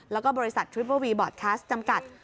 แล้วก็บริษัททริปเปอร์วีบอร์ดแคสต์จำกัด